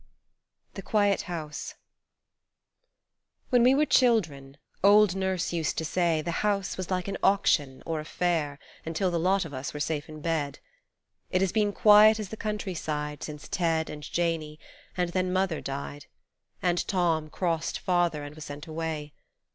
THE QUIET HOUSE WHEN we were children old Nurse used to say, The house was like an auction or a fair Until the lot of us were safe in bed. It has been quiet as the country side Since Ted and Janey and then Mother died And Tom crossed Father and was sent away.